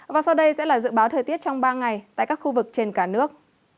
và sau đây sẽ là dự báo thời tiết trong ba ngày tại các khu vực trên cả nước